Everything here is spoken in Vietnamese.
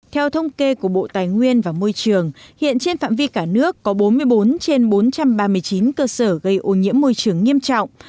theo thông kê của bộ tài nguyên và môi trường hiện trên phạm vi cả nước có bốn mươi bốn trên bốn trăm ba mươi chín cơ sở gây ô nhiễm môi trường nghiêm trọng